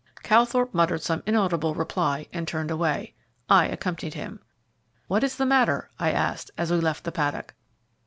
Calthorpe muttered some inaudible reply and turned away. I accompanied him. "What is the matter?" I asked, as we left the paddock.